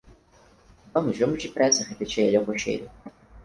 Vamos, vamos depressa, repetia ele ao cocheiro.